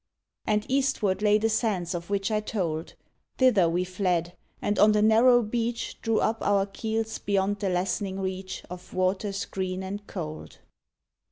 • And eastward lay the sands of which I told; Thither we fled, and on the narrow beach Drew up our keels beyond the lessening reach Of waters green and cold.